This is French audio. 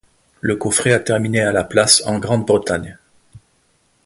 Le coffret a terminé à la place en Grande-Bretagne.